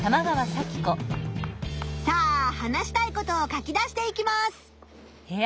さあ話したいことを書き出していきます。